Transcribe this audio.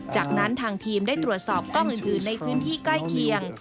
จากนั้นทางทีมได้ตรวจสอบกล้องอื่นในพื้นที่ใกล้เคียง